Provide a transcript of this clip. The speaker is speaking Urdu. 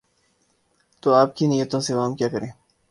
تو آپ کی نیتوں سے عوام کیا کریں؟